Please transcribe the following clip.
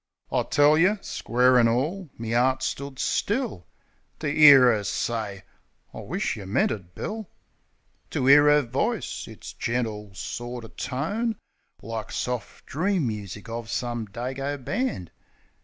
I tell yeh, square an' all, me 'eart stood still To 'ear 'er say, "I wish't yeh meant it. Bill." To 'ear 'er voice! Its gentle sorter tone. Like soft dream music of some Dago band.